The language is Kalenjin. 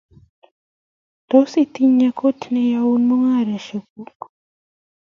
Tos itinye kot neiyoee mungaresiek kuuk?